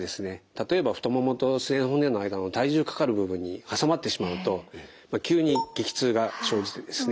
例えば太ももとすねの骨の間の体重かかる部分に挟まってしまうと急に激痛が生じてですね